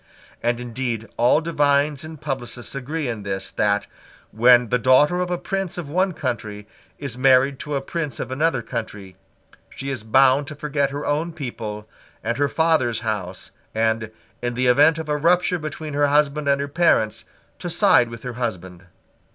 And indeed all divines and publicists agree in this, that, when the daughter of a prince of one country is married to a prince of another country, she is bound to forget her own people and her father's house, and, in the event of a rupture between her husband and her parents, to side with her husband.